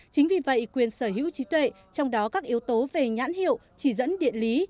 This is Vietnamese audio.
chính vì vậy quyền sở hữu trí tuệ trong đó các yếu tố về nhãn hiệu chỉ dẫn địa lý